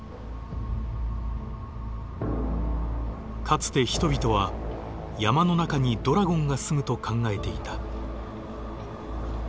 かつて人々は山の中にドラゴンが住むと考えていた。